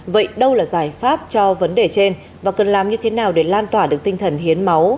vậy đâu là giải pháp cho vấn đề trên và cần làm như thế nào để lan tỏa được tinh thần hiến máu